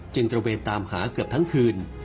ตระเวนตามหาเกือบทั้งคืน